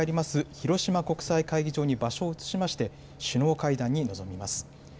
広島国際会議場に場所を移しまして、首脳会談に臨みます。